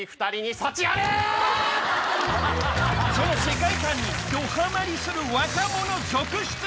その世界観にどハマリする若者続出。